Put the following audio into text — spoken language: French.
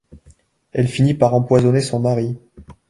Elle finit par empoisonner son mari.